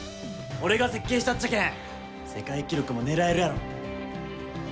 俺が設計したっちゃけん世界記録も狙えるやろ。